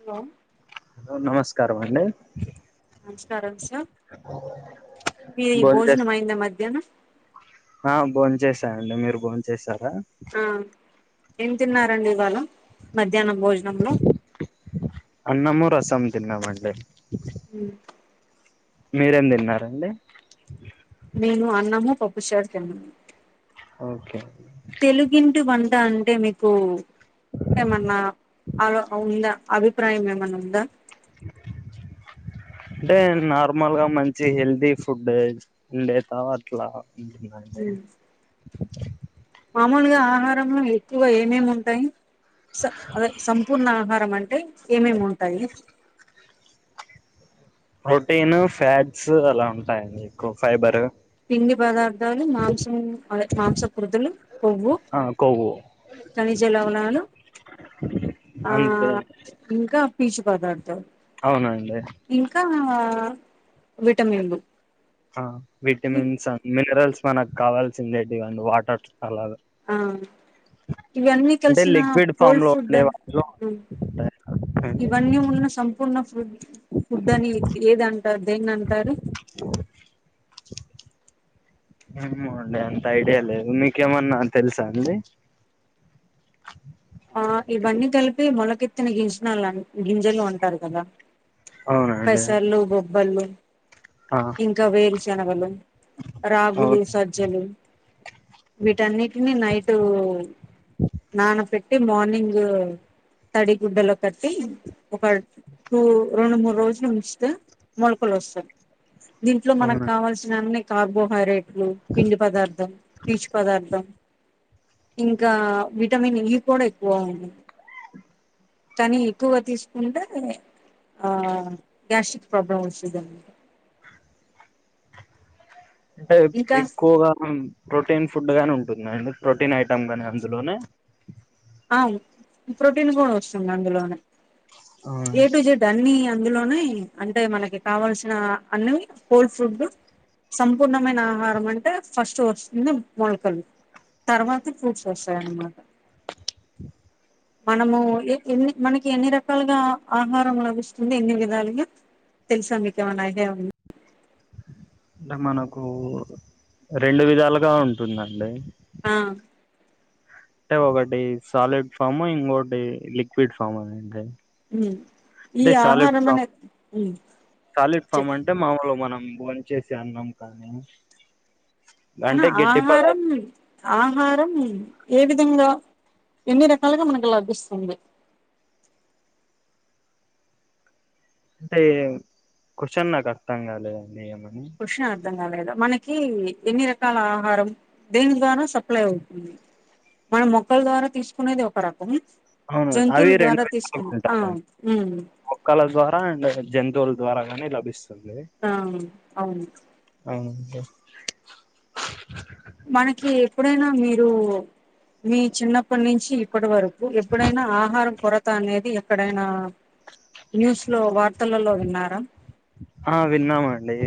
Hello hello నమస్కారమ అండి నమస్కారం సార్ మీది ఈ భోంచేస్ భోజనం అయింద మధ్యాహ్నం ఆ బోన్ చేసాయండి మీరు బోన్ చేసారా ఆ ఏం తిన్నారండి ఇవాళ మధ్యాహ్నం మధ్యానం భోజనం లో తిన్నామండీ. మ్ మీరేం తిన్నారండి? నేను అన్నము పప్పుషారు తిన్నాను. ఓకే అండి. డు వంట అంటే మీకు ఏమన్న ఆలో ఉందా? అభిప్రాయం ఏమన్న ఉందా? అంటే నార్మల్ గా మంచి హెల్తీ ఫుడ్ ఉండేతావ అట్ల మ్. మామూలుగా ఆహారంలో ఎక్కువ ఏమేమి ఉంటాయి? స అదే సంపూర్ణ ఆహారం అంటే ఏమేమి ఉంటాయి? ప్రోటీన్, ఫ్యాట్స్ అలా ఉంటాయండి. ఎక్కువ ఫైబర్ పిండి పదార్థాలు, మాంసం, అదే మాంసపు క్రుద్దులు, కొవ్వు ఆ కొవ్వు ఖనిజ లవణాలు, ఆ అంతే ఇంకా పీచు పదార్థాలు. అవునండి. ఆ విటమిన్ లు ఆ విటమిన్స్ అండ్ మినరల్స్, మనకు కావాల్సిండేటివి అండ్ వాటర్ అలాగా ఆ ఇవన్నీ అంటే కలిసిన లిక్విడ్ ఫామ్ హొల్ లో ఫుడ్ ఉండే అన్, వాటిలో ఆ ఉంటాయి అండి ఇవన్నీ ఉన్న సంపూర్ణ ఫుడ్, ఫుడ్ అని ఏదంటారు? దేన్ని అంటారు? ఏమో అండి. అంత ఐడియా లేదు మీకేమన్నా తెల్సా అండి ఆ ఇవన్నీ కలిపి మొలకెత్తిన గింజనాలు, గింజలు ఉంటారు కదా అవునండి పసర్లు, బొబ్బర్లు. ఆ ఇంకా వేరు శనగలు, రాగులు, అవును సజ్జలు. వీటన్నిటిని నైట్, నానపెట్ టి మార్నింగ్ తడి గుడ్డలో కట్టి, ఒక టూ, రొండు మూడు రోజులు ఉంచితే మొలకలోస్తాయి. దీంట్లో మనకు అవును కావాల్సిన అన్ని కార్బోహైడ్రేట్ లు పిండి పదార్థం, పీచు పదార్థం ఇంకా విటమిన్ ఇ కూడా ఎక్కువ ఉంది. కానీ ఎక్కువ తీసుకుంటే ఆ గ్యాస్టిక్ ప్రాబ్లం వస్తదండి. అంటే ఇంకా ఎక్కువగా ప్రొటీన్ ఫుడ్ గాని ఉన్ టుందా అండి? ప్రోటీన్ ఐటమ్ గాని అందులోనే? ఆ ప్రోటీన్ కూడ వస్తుంది అందులోనే. ఏ టు అంటే జేడ్ అన్ని ఇందులోనే అంటే మనకి కావల్సిన అన్నివి హొల్ ఫుడ్ గా సంపూర్ణమైన ఆహారం అంటే ఫస్ట్ వస్తుంది. మొలకలు. తర్వాత ఫ్రూట్స్ వస్తాయన్నమాట. మనము ఎ ఎన్ని మనకి ఎన్ని రకాలుగా ఆహారం లభిస్తుంది? ఎన్ని విధాలుగా? తెలుసా మీకు ఏమన ఐడియా ఉందా? అంటే మనకు రెండు విధాలుగా ఉంటుందండి. ఆ అంటే ఒకటి సాలిడ్ ఫాము, ఇంకొటి లిక్విడ్ ఫాము అనేది. ఉమ్ ఈ అంటే సాలిడ్ ఆహారం ఫామ్, అనే ఉమ్ సాలిడ్ ఫామ్ చెప్ అంటే మామూలు మనం భోంచేసే అన్నం కానీ, అహ అంటే గట్టి ఆహారం, పదార్థం ఆహారం ఏ విధంగా? ఎన్ని రకాలుగా మనకు లభిస్తుంది? అంటే కర్చ నాకుతం కద నిమ హుషర్ లేదా మనకి ఎన్ని రకాల ఆహారం దేని ద్వారా సప్లై అవుతుంది మనం మొక్కల ద్వారా తీసుకునేది ఒక రకం అవును అవి జంతువుల రెండు ద్వారా తీసుకుని ఆ ఉంటారండి ఉమ్ మక్కల ద్వారా అండ్ జంతు దోల్ ద్వారాగాని భిస్తుంది ఆ అవును అంట మనకి ఎప్పుడైనా మీరు మీ చిన్నప్పటి నుంచి ఇప్పటి వరకు ఎప్పుడైనా ఆహారం కొర అనేది ఎక్కడైనా న్యూస్ లో వార్తలలో విన్నారా ఆ విన్నామా అండి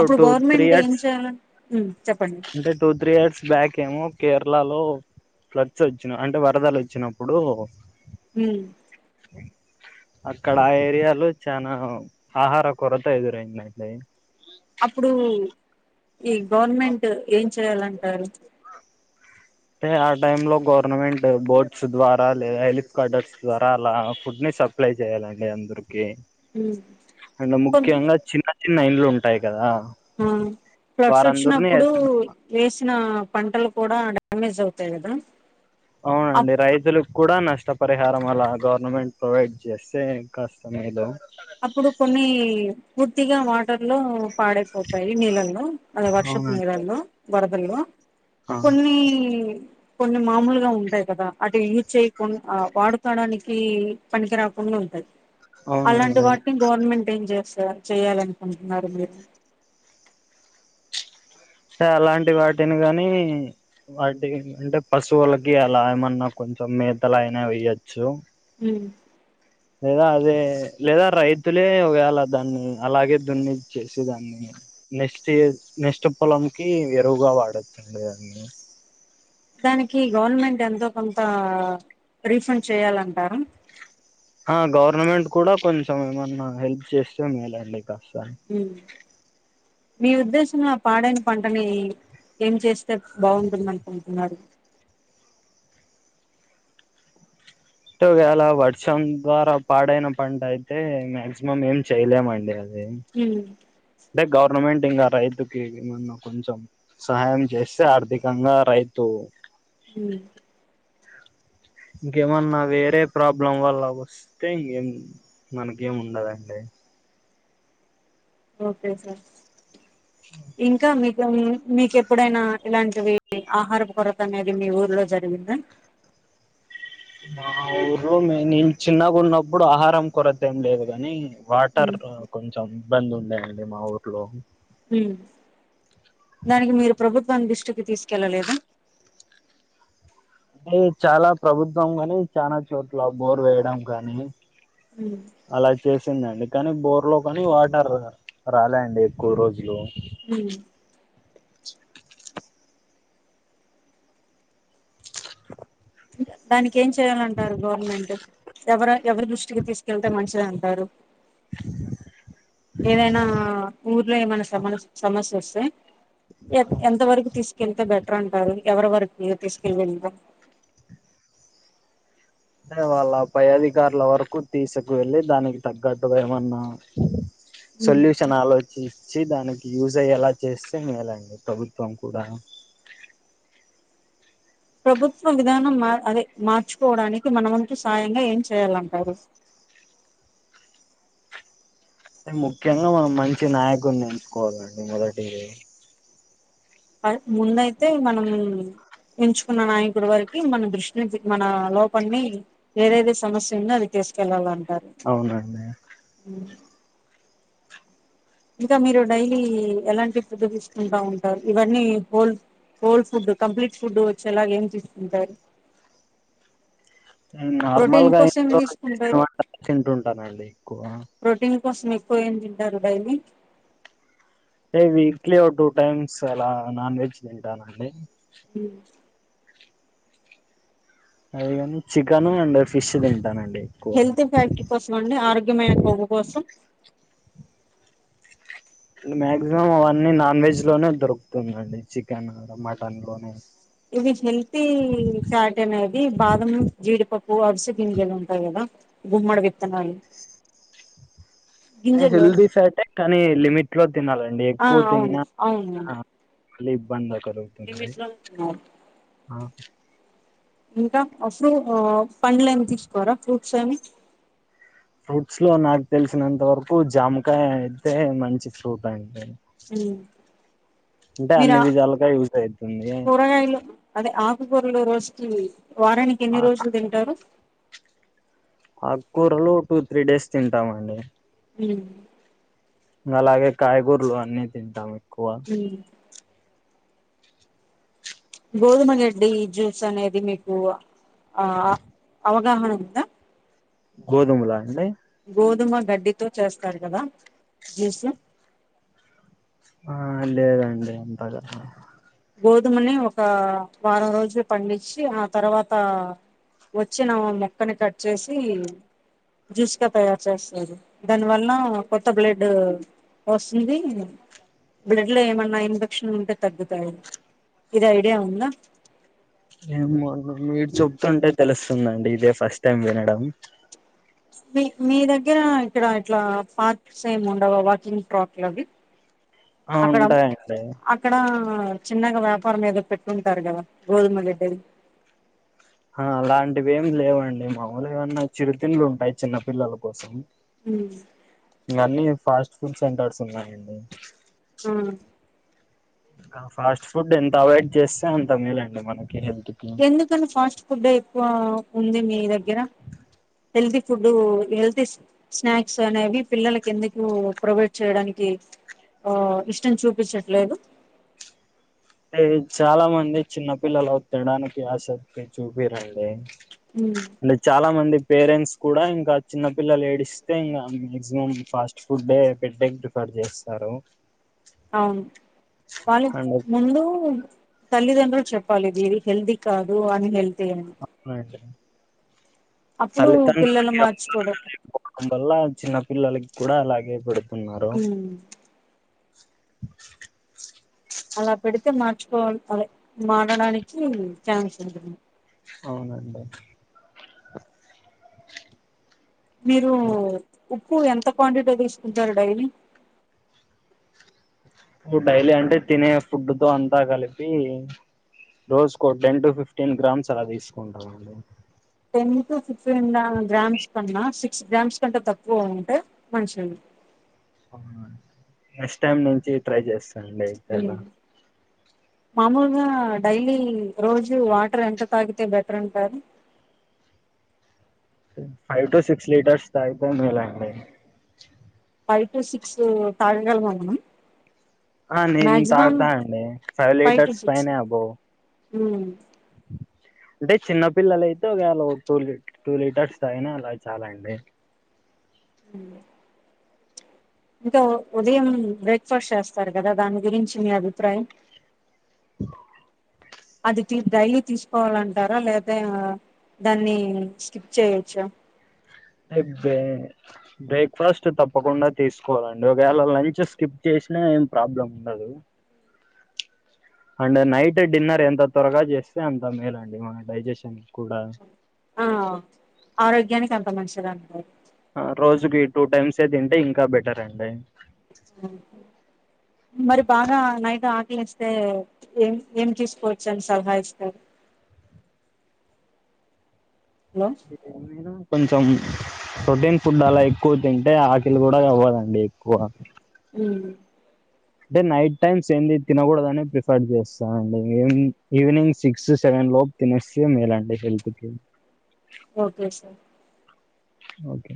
అప్పుడు గవర్నమెంట్ ఏం ఇయర్స్ చేయాలి అంటే టూ త్రీ ఎయర్స్ బ్యాక్ ఏమో కేరళలో ఫ్లడ్స్ వచ్చిన అంటే వరదలు వచ్చినప్పుడు హ అక్కడ ఆ ఏరియాలో చనా ఆహార కొరత ఎదురైందయి అప్పుడు ఈ గవర్నమెంట్ ఏం చేయాలంటారు అంటే ఆ టైమ్ లో గవర్నమెంట్ బోర్డ్స్ ద్వారా లే హెలిఫ కడర్స్ ద్వారా అలా ఫుడ్న సప్లై చేయాలండి అందరుూ ఓకే ఉమ్ అండ్ కొంత ముఖ్యంగా చిన్న చిన్న ఇండ్లు ఉంటాయి కదా ఆ ఫ్లట్స్ వచ్చినప్పుడు వారందరిని వే వచ్చిన పంటలు కూడా డ్యామేజ్ అవుతాయి కదా అప్ అవునండి రైతులు కూడా నష్టపరిహారం అలా గవర్నమెంట్ ప్రొవైడ్ చేస్తే కాస్తమేలు అప్పుడు కొన్ని పూర్తిగా వాటర్ లో పాడైపోతాయి నీళ్ళల్లో అద వర్షపు అవునండి నీళ్ల్లో వరదల్లో ఆ కొన్ని కొన్ని మామూలుగా ఉంటాయి కదా అటు యూజ్ చేయకుండా వాడుకోడానికి పనికి రాకుండా ఉంటాయి అవును అడు వాటిని గవర్నమెంట్ ఏం చేస్తారు చేయ్యాలనుకుంటున్నారు మీరు సే అలాంటి వాటిని కాగాని వాటి అంటే పశువులకి అలా ఏమన్నా కొంచెం కొంచెం మేత్తల అయినా వెయ్యొచ్చు అ లేదా అదే లేదా రైతులే వేాల దాన్ని అలాగే దున్ని చేసి దాన్ని నెస్ట్ నెస్ట్ పొలంకి ఎరువుగా వాడొచ్చండి దాన్ని దానికి గవర్నమెంట్ ఎంతో కొంత రీఫండ్ చేయాలంటారా గవర్నమెంట్ కూడా కొంచెం ఏమన్నా హెల్ప్ చేస్తే మేలండి కా మీ ఉద్దేశంలో పాడైన పంటని ఏం చేస్త బాగుంటుందనుకుంటున్నారు అోవేళ వర్షం ద్వారా పాడైన పంట అయితే మాక్సిమం ఏం చేయలేమండి అది అదే హ్మ్ అంటే గవర్నమెంట్ ఇంకా రైతుకి ఏమన్న కొంచెం సహాయం చేస్తే ఆర్థికంగా రైతు అ హ ఇంకేమన్నా వేరే ప్రాబ్లం వల్ల వస్తే ఇంకేం మనకేం ఉండదండి ఓకే సార్ ఇంకా మీ మీక ఎప్పుడైనా ఇలాంటివి ఆహార కొరత అనేది మీ ఊర్లో జరిగిందా మా ఊరులో నేను చిన్నగున్నప్పుడు ఆహారం కొరద్దేం లేదు గాని వాటర్ హ్మ్ కొంచెం ఇబ్బందుండే అండి మా ఊర్లో హ్మ్మ్ దానికి మీరు ప్రభుత్వం దృష్టికి తీసుకెళ్ళలేదా? అంటే చాలా ప్రభుత్వం గాని, చానా చోట్ల బోర్ వేయడం గానీ హ్మ్ అలా చేస్ వచ్చిందండి కానీ బోర్ లో కానీ వాటర్ రాలే అండి ఎక్కువ రోజులు హ్మ్మ్ దానికేం చేయాలంటారు గవర్నమెంట్? ఎవర ఎవరి దృష్టికి తీసుకెళ్తే మంచిదంటారు ఏదైనా ఊర్లో ఏమైనా సమస్ సమస్యస్ ఎంత వరకు తీసుకెళ్తే బెటరంటారు ఎవర వరకి తీసకెళ్ళిండ్రూ తే వాళ్ళ పై అధికారల వరకు తీసకు వెళ్ళి దానికి తగ్గట్టు ఏమన్నా! హ్మ్ సొల్యూషన్ ఆలోచి చ్చి దానికి యూస్ అయ్యేలా చేస్తే మేలండి ప్రభుత్వం కూడా. ప్రభుత్వ విధానం అదే మార్చుకోవడానికి మనమంతు సాయంగా ఏం చేయ్యాలంటారు? అ ముఖ్యంగా మనం మంచి నాయకుని ఎంచుకోవాలండి. మొదటి అర్ ముందయితే మనం ఎంచుకున్న నాయకుడు వారికి మన దృష్టి మన లోపన్ని ఏదేదతే సమస్యుందో అది తీసుకెళ్లాల అవునండి ఇంకా మీరు డైలీ ఎలాంటి ప్రదషిస్తుంటా ఉంటారు ఇవన్నీ whole cold food complete food వచ్చేలాగ ఏం తీసుకుంటారు? నార్మల్ ప్రోటీన్ గా కోసం ఇంట్లో చేసిన తీసుకుంటారు. వంటలు తింటుంటానండి ఎక్కువ ప్రోటీన్ కోసం ఎక్కువ ఏం తింటారు డైలీ? ఏ వీక్లీ టూ టైమ్స్ అలా నాన్ వెజ్ తింటానండి హ్మ్మ్ ను చికెను అండ్ ఫిష్ తింటానండి ఎక్కువ హెల్త్ ఫ్యాక్టరీ కోసం అండి ఆరోగ్యమైన కొవ్వు కోసం మాక్సిమం అవన్నీ నాన్ వెజ్ లోనే దొరుకుతుందండి చికెన్ మటన్ లోనే ఇది హెల్తీ ఫ్యాట్ అనేది బాదం, జీడిపప్పు, అవిస గింజలుంటాయి గదా. గుమ్మడి విత్తనాలు గింజలు హెల్దీ ఫార్టే కానీ లిమిట్ లో తినాలండి ఆ ఎక్కువ అవును తిన్నా అవును అళ్ ఇబ్బంది [unintelligible] ఆ ఇంకా అ ఫ్రూ పండ్లేమి తీసుకోరా ఫ్రూట్స్ ఏమి? ఫ్రూట్స్ లో నాకు తెలిసినంత వరకు జామకాయ అయితే మంచి ఫ్రూట్ అంట అంటే మీరు అన్ని విధాలుగా యూజ్ అవుతుంది [unintelligible] ర లో రోజుకి వారానికెన్ని రోజులు తింటారు? ఆ కూూరలు టూ త్రీ డేస్ తింటామండి హ అలాగే కాయగూరలు అన్నీ తింటాము హ్మ్మ్ గోధుమ రెడ్డి జ్యూస్ అనేది మీకు ఆ ఆ అవగాహన ఉందా గోదుములా న గోధుమ గడ్డితో చేస్తారు కదా జ్యూసు. ఆ లేదండి అంతగా గోధుమని ఒక వారం రోజులు పండించి ఆ తర్వాత వచ్చినా మొక్కని కట్ చేసి, జ్యూస్గా తయారు చేస్తారు దాని వలనా కొత్త బ్లడ్ వస్తుంది, బ్లడ్ లో ఏమన్నా ఇన్ఫెక్షన్ ఉంటే తగ్గుతాయి. ఇది ఐడియా ఉందా. ఏమో అండి మీరు చెప్తుంటే తెలుస్తుందండి ఇదే ఫస్ట్ టైం వినడం. మీ మీ దగ్గర ఇక్కడ ఇట్లా పార్క్స్ ఏం ఉండవా వాకింగ్ ట్రాక్లవి. ఆ అక్కడం ఉంటాయండి అక్కడా చిన్నగా వ్యాపారం ఏదో పెట్టుంటారు కదా గోధుమ గడ్డిది. ఆ అలాంటివి ఏమి లేవండి. మాములుగా ఏమన్నా చిరుతిండ్లు ఉంటాయి చిన్నపిల్లల కోసం. ఇగ అన్నీ ఫాస్ట్ ఫుడ్ సెంటర్స్ ఉన్నాయండి. ఆ ఇంకా ఫాస్ట్ ఫుడ్ ఎంత అవాయిడ్ చేస్తే అంత మేలండి మనకి హెల్త్ కి ఎందుకని ఫాస్ట్ ఫుడ్డే ఎక్కువ ఉంది మీ దగ్గర. హెల్తీ ఫుడ్ హెల్తీ స్నాక్స్ అనేవి పిల్లలకి ఎందుకు ప్రొవైడ్ చేయడానికి కి ఇష్టం చూపించట్లేదు. అంటే చాలా మంది చిన్న పిల్లలు తినడానికి ఆసక్తి చూపియరండి. ఉమ్, అంటే చాలా మంది పేరెంట్స్ కూడా ఇంకా చిన్నపిల్లలు ఏడిస్తే ఇంగా మాక్సిమం ఫాస్ట్ ఫుడ్డే పెట్టేకి ప్రిఫర్ చేస్తారు. అవును వాళ్ళని అండ్ ముందు తల్లిదండ్రులు చెప్పాలి ఇది హెల్దీ కాదు అన్ హెల్ అ [unintelligible] అప్పుడు పిల్లలు తల్లితండ్రులకి మార్చుకోవడం [inaudible] కొందరి వల్లా చిన్న పిల్లకి కూడా అలాగే ఇప్పుడు. హ్ అలా పెడితే మార్చుకోవా మారడానికి ఛాన్స్ ఉంటుంది. అవునండి. మీరు ఉప్పు ఎంత క్వాంటిటీలో తీసుకుంటారు డైలీ. ప్పు డైలీ అంటే తినే ఫుడ్ తో అంతా కలిపి రోజుకో టెన్ టు ఫిఫ్టీన్ గ్రామ్స్ అలా తీసుకుంటామండి. టెన్ టు ఫిఫ్టీన్ గ్రామ్స్ కన్నా సిక్స్ గ్రామ్స్ కంటే తక్కువ ఉంటే మంచిది. అవునా అండి నెక్స్ట్ టైమ్ నుంచి ట్రై చేస్తాండి అయితే అలా. మామూలుగా డైలీ రోజు వాటర్ ఎంత తాగితే బెటర్ అంటారు. ఫైవ్ టు సిక్స్ లీటర్స్ తాగితే మేలండి. ఫైవ్ టు సిక్స్ తాగగలమా మనం. ఆ నేను మాక్సిమం తాగుతా అండి ఫైవ్ లీటర్స్ పైనే అబోవ్. హ్ అంటే చిన్న పిల్లలయితే ఒకేళ టూ లీట టూ లీటర్స్ తాగినా అలకు చాలా అండి. [inaudible] ఇంకా ఉదయం బ్రేక్ఫాస్ట్ చేస్తారు కదా దాని గురించి మీ అభిప్రాయం. అది డైలీ తీసుకోవాలంటారా లేదా దాన్ని స్కిప్ చేయొచ్చు బ బ్రేక్ఫాస్ట్ తప్పకుండా తీసుకోవాలండి ఒకవేళ లంచ్ స్కిప్ చేసిన ఏం ప్రాబ్లం ఉండదు అండ్ నైట్ డిన్నర్ ఎంత త్వరగా చేస్తే అంత మేలండి మన డైజెషన్ కూడా ఆ ఆరోగ్యానికి అంత మంచిది అంటారు రోజుకి టూ టైమ్స్ ఏ తింటే ఇంకా బెటర్ అండి ఆ మరి బాగా నైట్ ఆకలిస్తే ఏం ఏం తీసుకోవచ్చు అని సలహా ఇస్తార హలో ఏమైనా కొంచెం ప్రొటీన్ ఫుడ్ అలా ఎక్కువ తింటే ఆకలి కూడా అవ్వదండి ఎక్కువ అ అంటే నైట్ టైమ్స్ ఏంది తినకూడదని ప్రిఫర్ చేస్తాండి ఈ ఈవినింగ్ సిక్స్ సెవెన్ లోపు తినేస్తే మేల అండి హెల్త్ కి ఓకే సార్ ఓకే